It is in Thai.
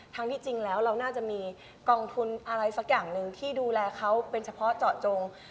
ที่จริงแล้วเราน่าจะมีกองทุนอะไรสักอย่างหนึ่งที่ดูแลเขาเป็นเฉพาะเจาะจง